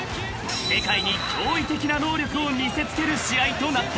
［世界に驚異的な能力を見せつける試合となった］